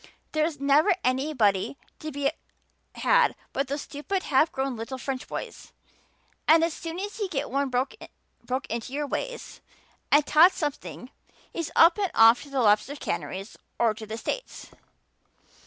There's never anybody to be had but those stupid, half grown little French boys; and as soon as you do get one broke into your ways and taught something he's up and off to the lobster canneries or the States.